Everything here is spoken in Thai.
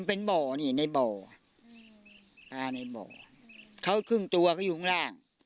เป็นบ่อนี่ในบ่ออ่าในบ่อเขาครึ่งตัวเขาอยู่ข้างล่าง